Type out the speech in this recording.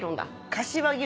柏木